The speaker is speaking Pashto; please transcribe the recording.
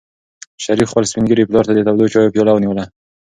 شریف خپل سپین ږیري پلار ته د تودو چایو پیاله ونیوله.